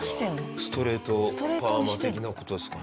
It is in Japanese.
ストレートパーマ的な事ですかね。